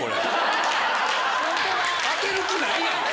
開ける気ないやん